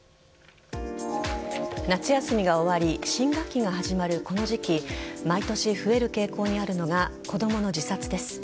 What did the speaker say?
夏休みが終わり新学期が始まるこの時期毎年増える傾向にあるのが子供の自殺です。